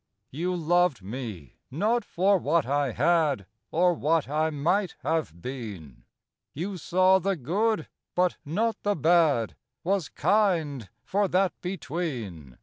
You loved me, not for what I had Or what I might have been. You saw the good, but not the bad, Was kind, for that between.